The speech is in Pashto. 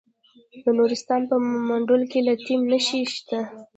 د نورستان په مندول کې د لیتیم نښې شته.